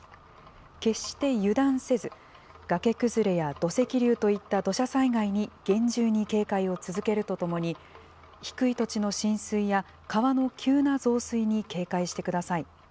決して油断せず、崖崩れや土石流といった土砂災害に厳重に警戒を続けるとともに、低い土地の浸水や川の急な増水に警戒してください。